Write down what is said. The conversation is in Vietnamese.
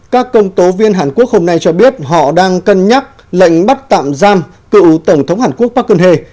các công tố viên hàn quốc hôm nay cho biết họ đang cân nhắc lệnh bắt tạm giam cựu tổng thống hàn quốc park geun hye